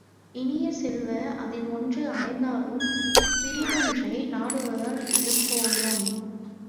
இனிய செல்வ, அதில் ஒன்று அடைந்தாலும் பிறிதொன்றை நாடுவதால் இழப்பேயாம்.